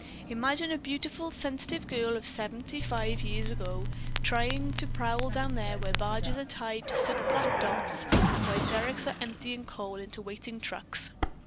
"Imagine a beautiful, sensitive girl of seventy five years ago trying to prowl down there where barges are tied to soot black docks and where derricks are emptying coal into waiting trucks.